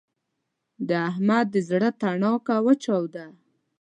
د احمد د زړه تڼاکه وچاوده.